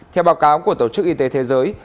theo báo cáo của tổ chức y tế thế giới